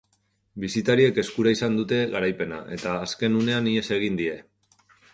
Bisitariek eskura izan dute garaipena, eta azken unean ihes egin die.